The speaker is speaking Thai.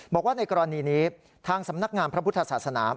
บอกว่าในกรณีนี้ทางสำนักงานพระพุทธศาสนา